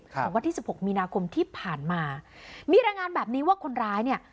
ของวันที่สิบหกมีนาคมที่ผ่านมามีรายงานแบบนี้ว่าคนร้ายเนี่ย